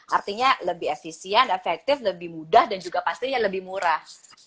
artinya lebih efisien efektif lebih mudah dan juga pastinya lebih murah